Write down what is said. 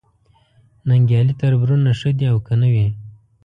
ننګیالي تربرونه ښه دي او که نه وي